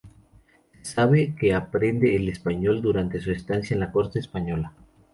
Se sabe que aprende el español durante su estancia en la corte española.